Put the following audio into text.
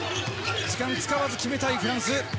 時間使わず決めたいフランス。